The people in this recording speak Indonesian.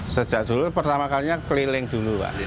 sejak dulu pertama kalinya keliling dulu pak